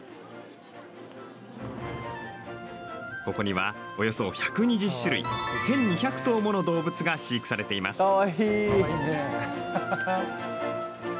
ここには、およそ１２０種類１２００頭もの動物が飼育されています。